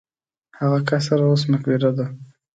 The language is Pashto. هغه قصر اوس مقبره ده.